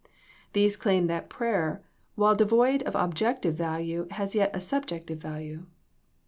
These claim that prayer, while devoid of objective value, has yet a sub jective value.